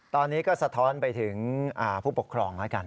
ตอนนี้ก็สะท้อนไปถึงผู้ปกครองแล้วกัน